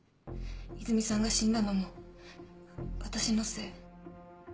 いずみさんが死んだのも私のせい。